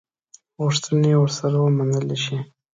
غوښتني ورسره ومنلي شي.